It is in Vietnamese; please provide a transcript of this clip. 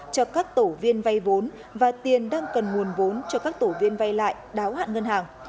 cho các tổ viên vay vốn và tiền đang cần nguồn vốn cho các tổ viên vay lại đáo hạn ngân hàng